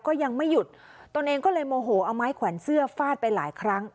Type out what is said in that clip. ก็ยังไม่หยุดตนเองก็เลยโมโหเอาไม้แขวนเสื้อฟาดไปหลายครั้ง